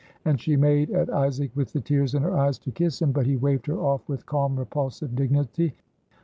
* And she made at Isaac with the tears in her eyes, to kiss him; but he waved her off with calm, repulsive dignity.